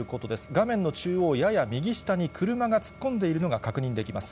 画面の中央やや右下に車が突っ込んでいるのが確認できます。